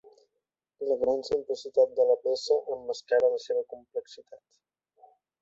La gran simplicitat de la peça emmascara la seva complexitat.